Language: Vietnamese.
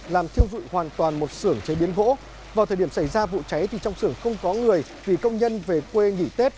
làm thiêu dụi hoàn toàn một sưởng chế biến gỗ vào thời điểm xảy ra vụ cháy thì trong sưởng không có người vì công nhân về quê nghỉ tết